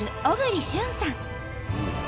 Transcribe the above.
小栗旬さん。